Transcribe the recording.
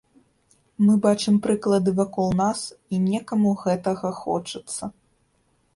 Мы бачым прыклады вакол нас і некаму гэтага хочацца.